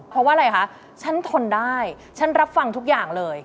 เพราะว่าอะไรคะฉันทนได้ฉันรับฟังทุกอย่างเลย